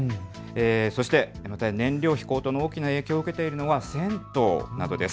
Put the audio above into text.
そしてまた燃料費高騰の影響を受けているのは銭湯などです。